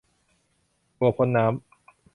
บัวพ้นน้ำ